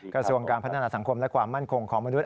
กระทรวงการพัฒนาสังคมและความมั่นคงของมนุษ